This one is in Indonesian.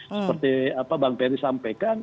seperti bang peri sampaikan